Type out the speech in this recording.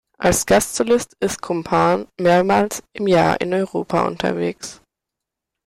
Als Gastsolist ist Kumpan mehrmals im Jahr in Europa unterwegs.